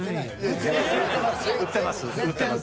絶対売ってます。